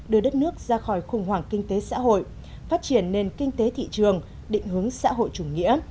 đưa đất nước ra khỏi khủng hoảng kinh tế xã hội phát triển nền kinh tế thị trường định hướng xã hội chủ nghĩa